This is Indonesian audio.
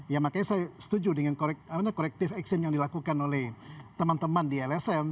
ya makanya saya setuju dengan corrective action yang dilakukan oleh teman teman di lsm